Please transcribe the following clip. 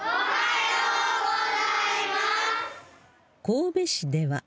神戸市では。